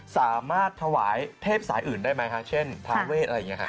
สามารถถวายเทพสายอื่นได้ไหมคะเช่นทาเวทอะไรอย่างนี้ค่ะ